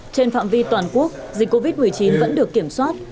trên phạm vi toàn quốc dịch covid một mươi chín vẫn được kiểm soát